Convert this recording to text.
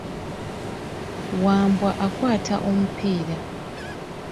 Wambwa akwata omupiira.